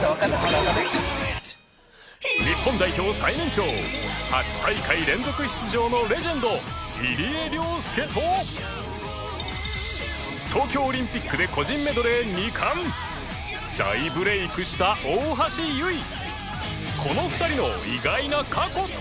日本代表最年長８大会連続出場のレジェンド入江陵介と東京オリンピックで個人メドレー２冠大ブレークした大橋悠依